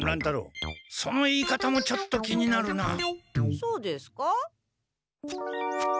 そうですか？